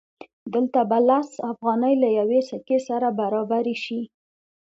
دلته به لس افغانۍ له یوې سکې سره برابرې شي